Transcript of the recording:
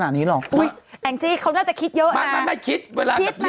นางคือคนที่แบบไม่คิดอะไรเยอะ